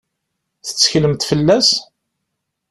Tetteklemt fell-as?